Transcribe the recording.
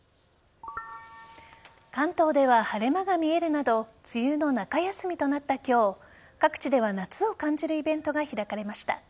関東では晴れ間が見えるなど梅雨の中休みとなった今日各地では、夏を感じるイベントが開かれました。